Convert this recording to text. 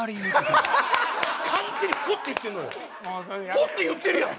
「ほ」って言ってるやん！